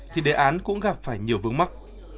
thì đề án cũng gặp phải nhiều vướng mắt